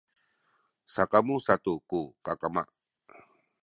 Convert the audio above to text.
sakamu satu ku kakama